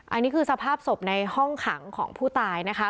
อันนี้คือสภาพศพในห้องขังของผู้ตายนะคะ